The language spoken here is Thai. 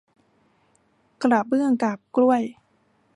กระเบื้องกาบกล้วย